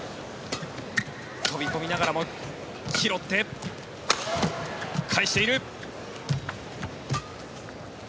飛び込みながらも拾って返している。